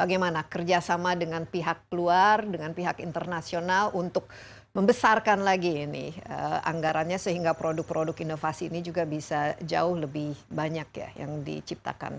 bagaimana kerjasama dengan pihak luar dengan pihak internasional untuk membesarkan lagi ini anggarannya sehingga produk produk inovasi ini juga bisa jauh lebih banyak ya yang diciptakan